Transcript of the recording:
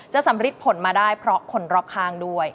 สำริดผลมาได้เพราะคนรอบข้างด้วย